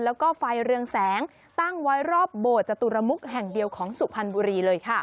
แล้วก็ไฟเรืองแสงตั้งไว้รอบโบสถจตุรมุกแห่งเดียวของสุพรรณบุรีเลยค่ะ